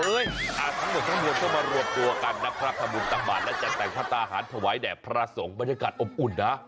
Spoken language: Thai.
อ่ะทั้งหมดทั้งหมดต้องมารวบตัวกันนะครับถ้าหมุนตรับบาทแล้วจะแต่งพัฒนาอาหารถวายแดบพระสงฆ์บรรยากาศอบอุ่นนะ